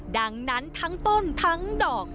ดังนั้นทั้งต้นทั้งดอก